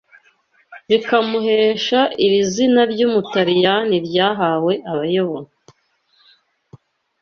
bikamuhesha iri zina ryumutaliyani ryahawe abayobora